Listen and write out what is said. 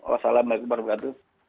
wassalamualaikum wr wb